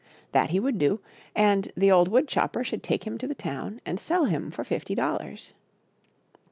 That he would do, and the old wood chopper should take him to the town and sell him for fifty dollars.